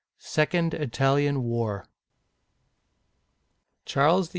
SECOND ITALIAN WAR CHARLES VIII.